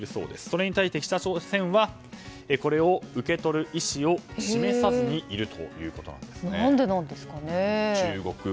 それに対して、北朝鮮はこれを受け取る意思を示さずにいるということです。